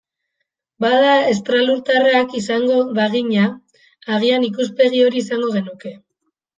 Bada, estralurtarrak izango bagina, agian ikuspegi hori izango genuke.